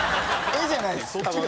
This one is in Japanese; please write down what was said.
絵じゃないです。